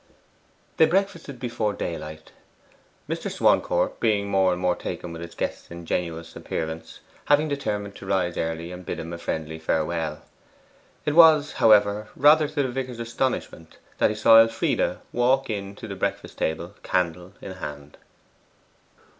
They breakfasted before daylight; Mr. Swancourt, being more and more taken with his guest's ingenuous appearance, having determined to rise early and bid him a friendly farewell. It was, however, rather to the vicar's astonishment, that he saw Elfride walk in to the breakfast table, candle in hand.